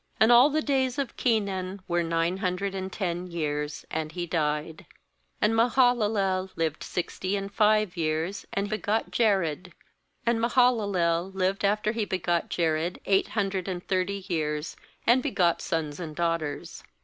14And all the days of Kenan were nine hundred and ten years; and he died. 16And Mahalalel lived sixty and five years, and begot Jared. 16And Maha lalel lived after he begot Jared eight hundred and thirty years, and begot sons and daughters.